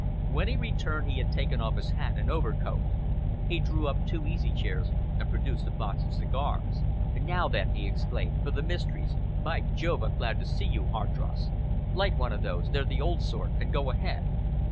When he returned, he had taken off his hat and overcoat. He drew up two easy chairs and produced a box of cigars. "Now then!" he exclaimed, "for the mysteries! By Jove, I'm glad to see you, Hardross! Light one of those they're the old sort and go ahead."